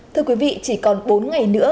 thưa quý vị chỉ còn bốn ngày nữa